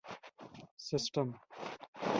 سیسټم